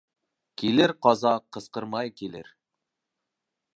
Килер ҡаза ҡысҡырмай килер.